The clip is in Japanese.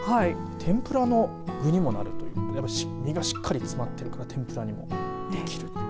天ぷらの具にもなるということで身がしっかり詰まっているから天ぷらにもできる。